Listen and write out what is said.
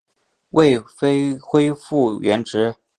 未恢复原职